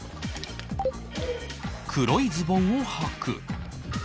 黒いズボンをはく